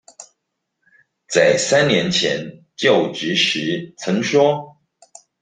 在三年前就職時曾說